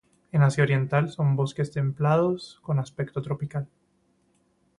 En Asia Oriental son bosques templados con aspecto tropical.